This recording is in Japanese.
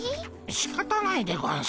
しかたないでゴンス。